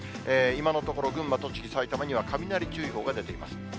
今のところ、群馬、栃木、埼玉には雷注意報が出ています。